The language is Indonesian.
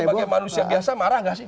sebagai manusia biasa marah nggak sih